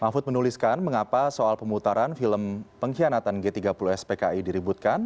mahfud menuliskan mengapa soal pemutaran film pengkhianatan g tiga puluh spki diributkan